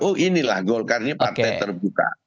oh inilah golkarnya partai terbuka